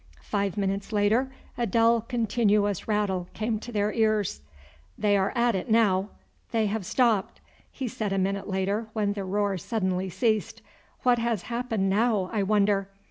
Five minutes later a dull continuous rattle came to their ears. "They are at it now. They have stopped!" he said a minute later when the roar suddenly ceased. "What has happened now, I wonder?